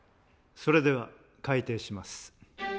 それでは開廷します。